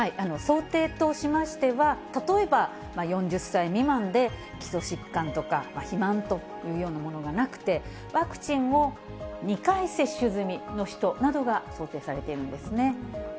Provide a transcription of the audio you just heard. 想定としましては、例えば４０歳未満で基礎疾患とか、肥満というようなものがなくて、ワクチンを２回接種済みの人などが想定されているんですね。